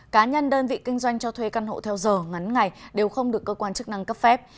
cá nhân đơn vị kinh doanh cho thuê căn hộ theo giờ ngắn ngày đều không được cơ quan chức năng cấp phép